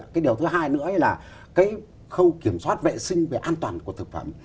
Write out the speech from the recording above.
cái điều thứ hai nữa là cái khâu kiểm soát vệ sinh về an toàn của thực phẩm